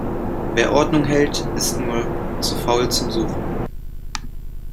Wer Ordnung hält, ist nur zu faul zum Suchen.